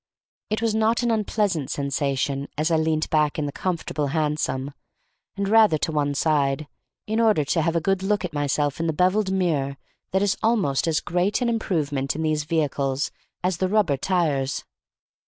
It was not an unpleasant sensation as I leant back in the comfortable hansom, and rather to one side, in order to have a good look at myself in the bevelled mirror that is almost as great an improvement in these vehicles as the rubber tires.